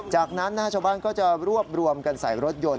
จากนั้นชาวบ้านก็จะรวบรวมกันใส่รถยนต์